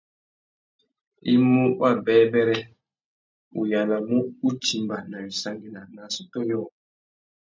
I mú wabêbêrê, u yānamú utimba nà wissangüena nà assôtô yôō.